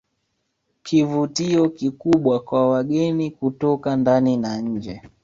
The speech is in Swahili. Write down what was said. Kivutio kikubwa kwa wageni kutoka ndani na nje